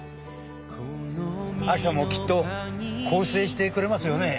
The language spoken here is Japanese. アキさんもきっと更生してくれますよね。